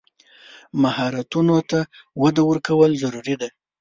مهارتونو ته وده ورکول ضروري دي.